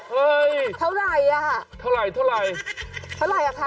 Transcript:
เฮ้ยเท่าไรอ่ะเท่าไรเท่าไรเท่าไรอ่ะคะ